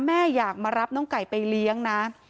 แม่อยากมารับน้องไก่ไปเลี้ยงนะ